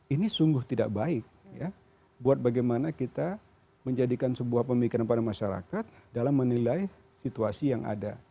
ini sungguh tidak baik buat bagaimana kita menjadikan sebuah pemikiran pada masyarakat dalam menilai situasi yang ada